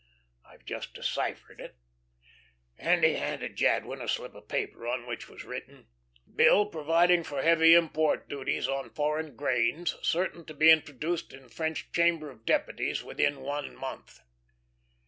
I've just deciphered it," and he handed Jadwin a slip of paper on which was written: "Bill providing for heavy import duties on foreign grains certain to be introduced in French Chamber of Deputies within one month."